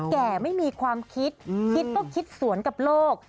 แก่ไม่มีความคิดคิดก็คิดสวนกับโลก